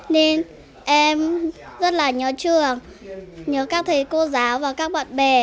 nên em rất là nhớ trường nhớ các thầy cô giáo và các bạn bè